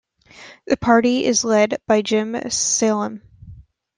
The party is led by Jim Saleam.